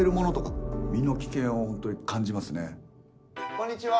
こんにちは。